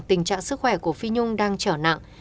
tình trạng sức khỏe của phi nhung đang trở nặng